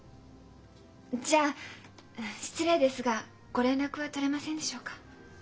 じゃあ失礼ですがご連絡は取れませんでしょうか？